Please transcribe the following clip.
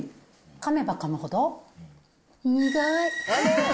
かめばかむほど、苦い。